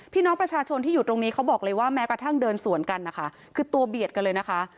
พี่น้องประชาชนที่อยู่ตรงนี้เขาบอกเลยว่าแม้กระทั่งเดินสวนกันนะคะคือตัวเบียดกันเลยนะคะ